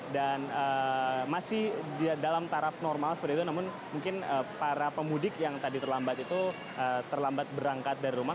dan masih dalam taraf normal seperti itu namun mungkin para pemudik yang tadi terlambat itu terlambat berangkat dari rumah